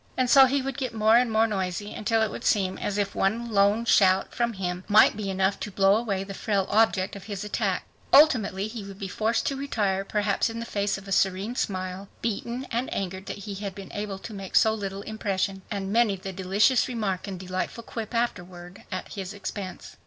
And so he would get more and more noisy until it would seem as if one lone shout from him might be enough to blow away the frail object of his attack. Ultimately he would be forced to retire, perhaps in the face of a serene smile, beaten and angered that he had been able to make so little impression. And many the delicious remark and delightful quip afterward at his expense!